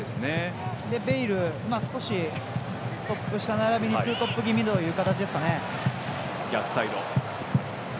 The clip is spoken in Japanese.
ベイルが少しトップ下ならびにツートップ気味という形ですかね。